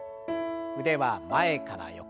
腕は前から横。